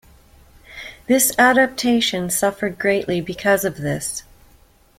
This adaptation suffered greatly because of this.